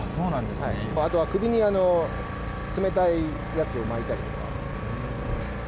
あとは首に冷たいやつを巻いたりとか。